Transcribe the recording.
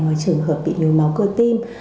hoặc trường hợp bị nhiều máu cơ tim